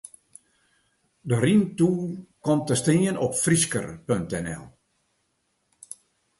De rymtool komt te stean op Frysker.nl.